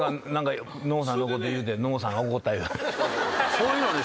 そういうのね